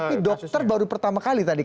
tapi dokter baru pertama kali tadi